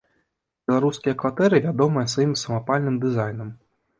Беларускія кватэры вядомыя сваім самапальным дызайнам.